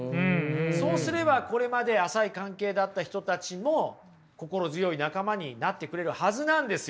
そうすればこれまで浅い関係だった人たちも心強い仲間になってくれるはずなんですよ。